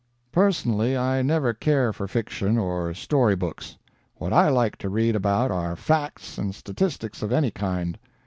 "Personally I never care for fiction or story books. What I like to read about are facts and statistics of any kind.